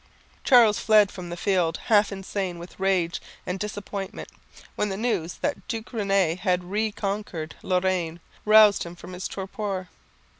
Charles fled from the field, half insane with rage and disappointment, when the news that Duke Réné had reconquered Lorraine roused him from his torpor.